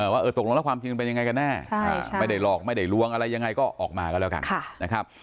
ว่าตกลงแล้วความจริงมันเป็นยังไงกันแน่ไม่ได้หลอกไม่ได้ลวงอะไรยังไงก็ออกมาก็แล้วกันนะครับ